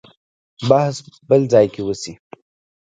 بحث بل ځای کې وشي.